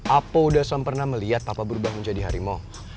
apa udah sempena melihat papa berubah menjadi harimau